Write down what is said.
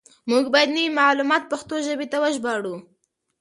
موږ بايد نوي معلومات پښتو ژبې ته وژباړو.